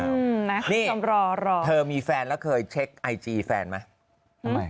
นี่เธอมีแฟนแล้วเคยเช็คไอจีแฟนไหม